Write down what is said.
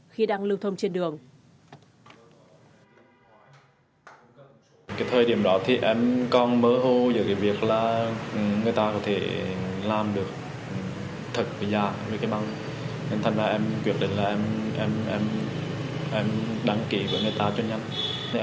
khi đang lưu thông tin về các nền tảng mạng xã hội